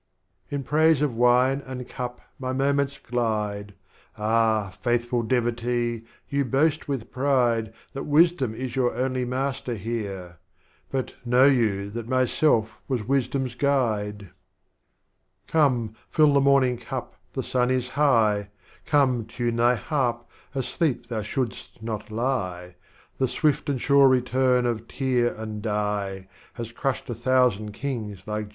XVII. In Praise of Wine and Cup my Moments glide; — Ah, Faithful Devotee, You boast with pride, That Wisdom is your only Master here, — But know you, that mj^sclf was Wisdom's Guide. " XVIII. Come, fill the morning Cup, the Sun is high, Come tune Thy Harp, asleep Thou shouldsl not lie, The swift and sure return of Tyr and Dai " Has crushed a thousand Kings like J.